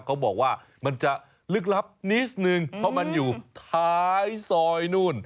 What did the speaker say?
เขาบอกว่ามันจะลึกลับนิดนึงเพราะมันอยู่ท้ายซอยนู่น